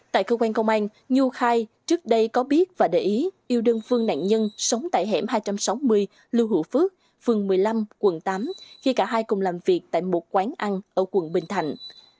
tại cơ quan công an nhu khai trước đây có biết và để ý yêu đơn phương nạn nhân sống tại hẻm hai trăm sáu mươi lưu hữu phước phường một mươi năm quận tám khi cả hai cùng làm việc tại một quán ăn ở quận bình thạnh